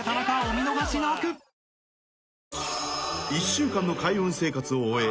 ［１週間の開運生活を終え］